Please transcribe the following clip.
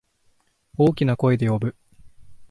大きな声で呼ぶ。